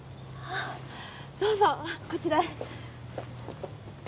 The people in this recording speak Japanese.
どうぞこちらへ。